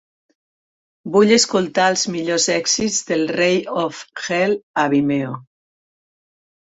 Vull escoltar els millors èxits de Rei Ov Hell a vimeo